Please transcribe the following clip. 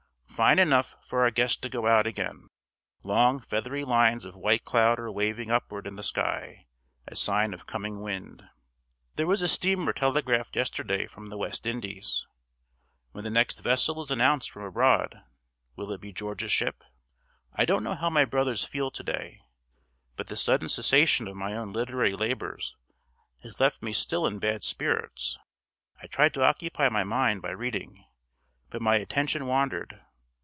FINE enough for our guest to go out again. Long, feathery lines of white cloud are waving upward in the sky, a sign of coming wind. There was a steamer telegraphed yesterday from the West Indies. When the next vessel is announced from abroad, will it be George's ship? I don't know how my brothers feel to day, but the sudden cessation of my own literary labors has left me still in bad spirits. I tried to occupy my mind by reading, but my attention wandered.